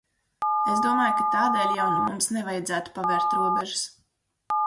Es domāju, ka tādēļ jau nu mums nevajadzētu pavērt robežas.